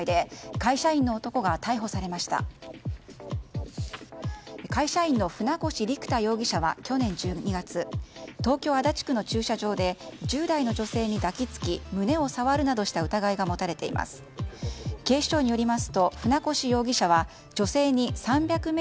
会社員の船越陸太容疑者は去年１２月東京・足立区の駐車場で１０代の女性に抱き付き胸を触るなどした疑いが持たれています。